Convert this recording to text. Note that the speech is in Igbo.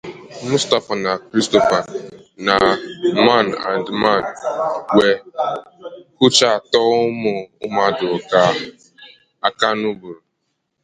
"Mustapha and Christopher” na “Man and Man" wee huchatụọ ụmụ mmadụ aka n'ụbụrụ